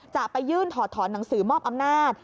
จะไปยื่นถอดถอนหนังสือมอบอำนาจ